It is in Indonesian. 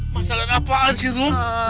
masalah apaan sih lu